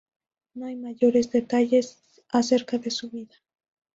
No hay mayores detalles acerca de su vida.